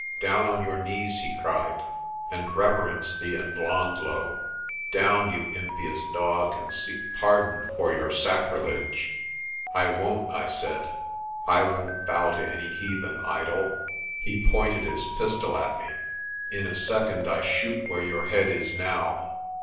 "Down on your knees," he cried, "and reverence the Ndhlondhlo! Down, you impious dog, and seek pardon for your sacrilege!' "I won't," I said. "I won't bow to any heathen idol." He pointed his pistol at me. "In a second I shoot where your head is now.